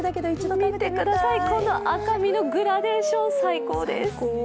見てください、この赤身のグラデーション、最高です。